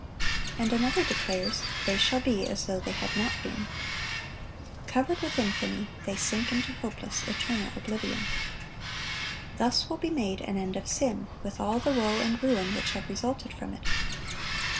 And another declares, "They shall be as though they had not been."(959) Covered with infamy, they sink into hopeless, eternal oblivion. Thus will be made an end of sin, with all the woe and ruin which have resulted from it.